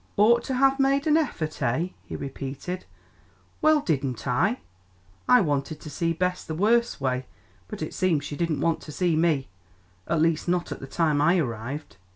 "Ought to have made an effort eh?" he repeated. "Well, didn't I? I wanted to see Bess the worst way, but it seems she didn't want to see me at least not at the time I arrived.